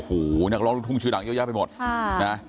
หูนักร้องถึงชื่อดังอย่าให้หมดค่ะ